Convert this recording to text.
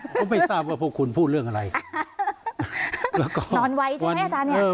ผมไม่ทราบว่าพวกคุณพูดเรื่องอะไรแล้วก็นอนไว้ใช่ไหมอาจารย์เนี่ย